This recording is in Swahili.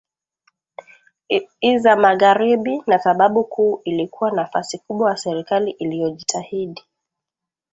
i za magharibi na sababu kuu ilikuwa nafasi kubwa ya serikali iliyojitahidi